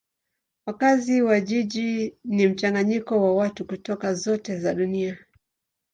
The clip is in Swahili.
Wakazi wa jiji ni mchanganyiko wa watu kutoka zote za dunia.